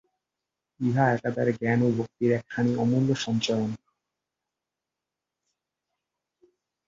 ইহা একাধারে জ্ঞান ও ভক্তির একখানি অমূল্য সঞ্চয়ন।